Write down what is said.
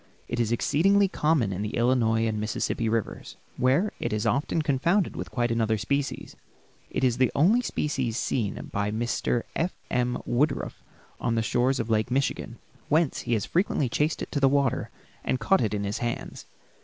It is exceedingly common in the Illinois and Mississippi rivers, where it is often confounded with quite another species. It is the only species seen by Mr. F. M. Woodruff on the shores of Lake Michigan, whence he has frequently chased it to the water and caught it in his hands.